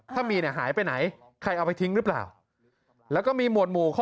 ถ้ามีเนี่ยหายไปไหนใครเอาไปทิ้งหรือเปล่าแล้วก็มีหมวดหมู่ขอ